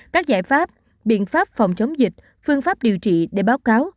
các giải pháp biện pháp phòng chống dịch phương pháp điều trị để báo cáo